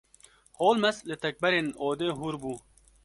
Holmes li tekberên odê hûr bû.